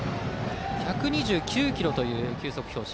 １２９キロという球速表示。